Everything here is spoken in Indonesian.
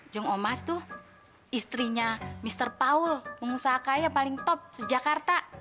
jeng omas tuh istrinya mr paul pengusaha kaya paling top sejak karta